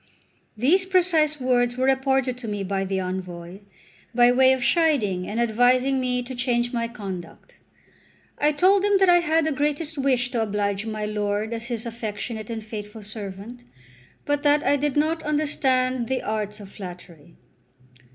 These precise words were reported to me by the envoy, by way of chiding and advising me to change my conduct. I told him that I had the greatest wish to oblige my lord as his affectionate and faithful servant, but that I did not understand the arts of flattery.